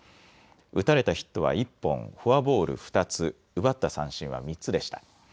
打たれたヒットは１本、フォアボール２つ、奪った三振は３つでした。